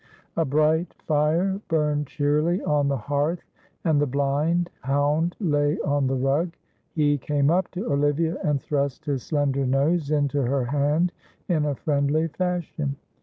A bright fire burned cheerily on the hearth and the blind hound lay on the rug; he came up to Olivia and thrust his slender nose into her hand in a friendly fashion.